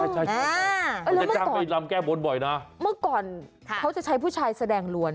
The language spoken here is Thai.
ใช่คุณจะจ้างไปรำแก้บนบ่อยนะเมื่อก่อนเขาจะใช้ผู้ชายแสดงลวน